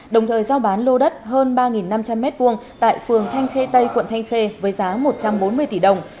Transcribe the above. đồng thời giao bán lô đất hơn ba năm trăm linh m hai tại phường thanh khê tây quận thanh khê với giá một trăm bốn mươi tỷ đồng